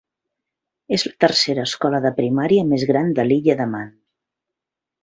És la tercera escola de primària més gran de l"Illa de Man.